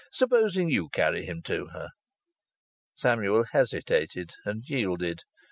"Suppose you carry him to her." Samuel hesitated, and yielded.